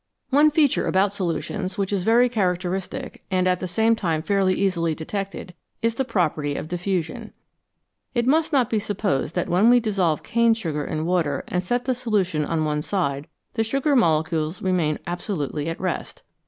One feature about solutions which is very characteristic, and at the same time fairly easily detected, is the property of diffusion. It must not be supposed that when we dissolve cane sugar in water and set the solution on one side, the sugar molecules remain absolutely at rest.